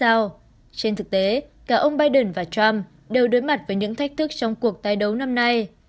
trên thực tế cả ông biden và trump đều đối mặt với những thách thức trong cuộc tái đấu năm nay